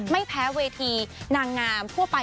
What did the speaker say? ไม่แพ้เวทีนางงามทั่วไป